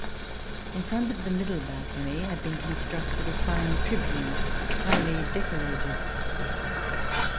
In front of the middle balcony had been constructed a fine tribune, highly decorated.